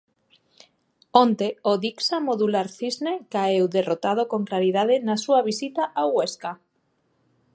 Onte, o Dicsa Modular Cisne caeu derrotado con claridade na súa visita ao Huesca.